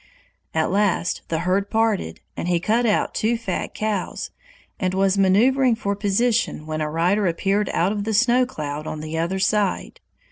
At last the herd parted, and he cut out two fat cows, and was maneuvering for position when a rider appeared out of the snow cloud on their other side.